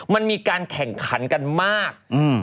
มันมีการแข่งขันกันมาก